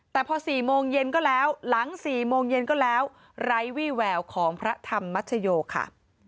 แต่พอ๔โมงเย็นก็แล้วหลัง๔โมงเย็นก็แล้วไร้วี่แววของพระธรรมมัชโยค่ะ